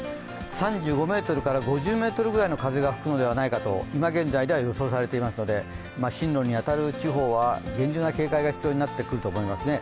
３５メートルから５０メートルぐらいの風が吹くのではないかと今現在では予想されていますので、進路に当たる地方は厳重な警戒が必要になってくると思いますね。